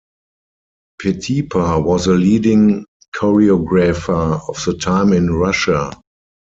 Petipa was a leading choreographer of the time in Russia.